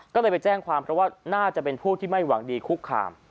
ก็เลยไปแจ้งความเพราะว่าน่าจะเป็นผู้ที่ไม่หวังดีคุกคาม